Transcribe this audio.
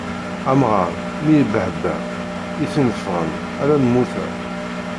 Amɣar mi ibbehba, i t-inefɛen ala lmuta.